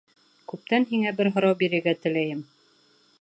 Күптән һиңә бер һорау бирергә теләйем.